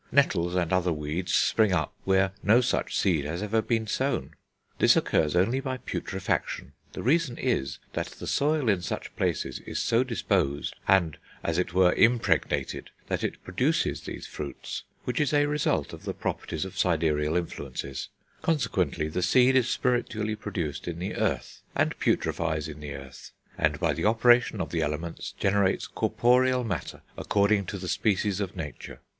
Nettles and other weeds spring up where no such seed has ever been sown. This occurs only by putrefaction. The reason is that the soil in such places is so disposed, and, as it were, impregnated, that it produces these fruits; which is a result of the properties of sidereal influences; consequently the seed is spiritually produced in the earth, and putrefies in the earth, and by the operation of the elements generates corporeal matter according to the species of nature.